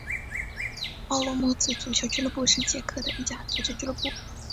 奥洛莫茨足球俱乐部是捷克的一家足球俱乐部。